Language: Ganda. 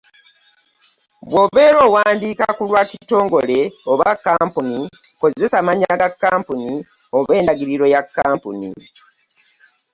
Bw’obeera owandiika ku lwa kitongole oba kkampuni kozesa mannya ga kkampuni oba endagiriro ya kkampuni.